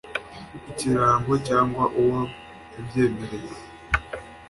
ikirango cyangwa uwo yabyemereye